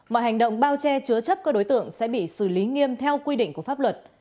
mọi hành động bao che chứa chấp các đối tượng sẽ bị xử lý nghiêm theo quy định của pháp luật